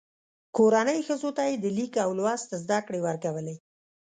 کورنۍ ښځو ته یې د لیک او لوست زده کړې ورکولې.